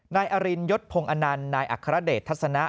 นายอรินยศพงศ์อนันต์นายอัครเดชทัศนะ